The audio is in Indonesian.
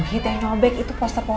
pendapat warga teh terpecah belam mpo